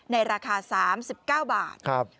ในราคา๓๙บาท